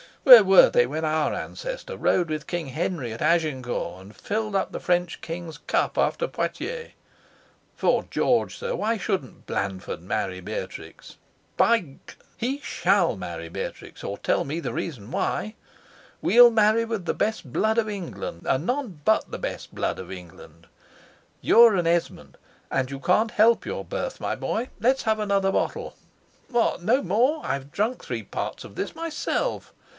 Where were they when our ancestor rode with King Henry at Agincourt, and filled up the French King's cup after Poictiers? 'Fore George, sir, why shouldn't Blandford marry Beatrix? By G ! he SHALL marry Beatrix, or tell me the reason why. We'll marry with the best blood of England, and none but the best blood of England. You are an Esmond, and you can't help your birth, my boy. Let's have another bottle. What! no more? I've drunk three parts of this myself.